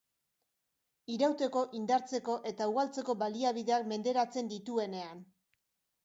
Irauteko, indartzeko eta ugaltzeko baliabideak menderatzen dituenean.